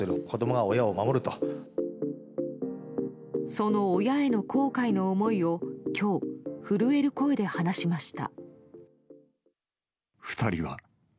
その親への後悔の思いを今日、震える声で話しました。